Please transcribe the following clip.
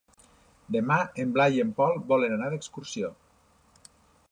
Demà en Blai i en Pol volen anar d'excursió.